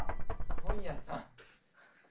「本屋さん」。